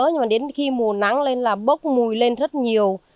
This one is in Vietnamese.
nhưng mà đến khi mùa nắng lên là bốc mùi lên rất nhiều